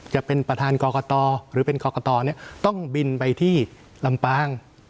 จะเป็นประธานกรกตหรือเป็นกรกตต้องบินไปที่ลำปาง